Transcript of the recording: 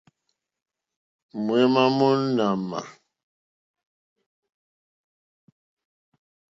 Mǒémá mó ɲàmà.